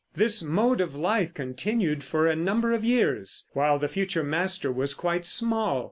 This mode of life continued for a number of years, while the future master was quite small.